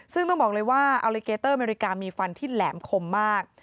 ซึ่งต้องบอกเลยว่าอัลลิเกเตอร์อเมริกามีฟันที่แหลมคมมาก